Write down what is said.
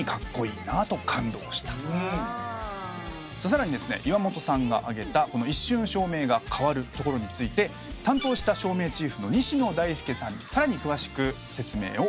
さらに岩本さんが挙げた一瞬照明が変わるところについて担当した照明チーフの西野大介さんにさらに詳しく説明をお伺いしました。